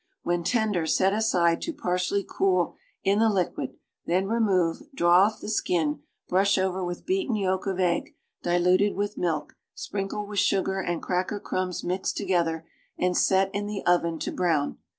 When tender set aside to partially cool in the liquid, then remo\'e, draw off the skin, brush over with beaten yolk of egg, diluted with milk, sprinkle with sugar and cracker crumbs mixed together, and set in the oven to brown.